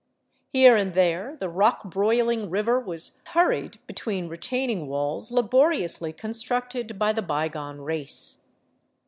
Here and there the rock broiling river was hurried between retaining walls laboriously constructed by the by gone race.